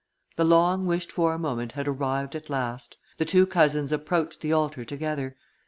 The long wished for moment had arrived at last; the two cousins approached the altar together.